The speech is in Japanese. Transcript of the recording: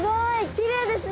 きれいですね！